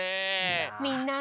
みんな！